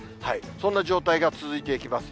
そんな状態が続いていきます。